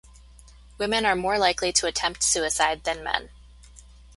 Women are more likely to attempt suicide than men.